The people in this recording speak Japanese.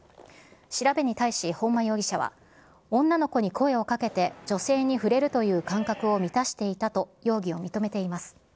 調べに対し、本間容疑者は、女の子に声をかけて女性に触れるという感覚を満たしていたと容疑を認めています。